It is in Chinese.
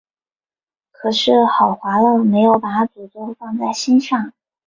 可是赫华勒没有把诅咒放在心上。